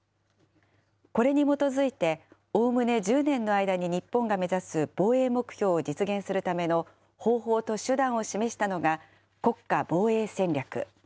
これに基づいて、おおむね１０年の間に日本が目指す防衛目標を実現するための方法と手段を示したのが、国家防衛戦略。